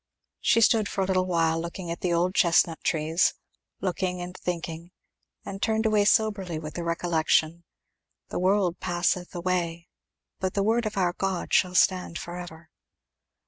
She stood for a little while looking at the old chestnut trees, looking and thinking, and turned away soberly with the recollection, "The world passeth away, but the word of our God shall stand forever."